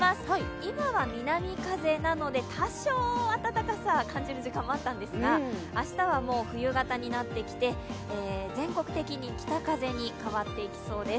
今は南風なので多少暖かさ感じる時間もあったんですが、明日は冬型になってきて全国的に北風に変わっていきそうです。